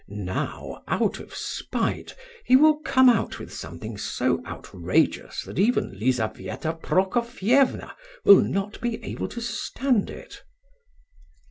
Now, out of spite, he will come out with something so outrageous that even Lizabetha Prokofievna will not be able to stand it."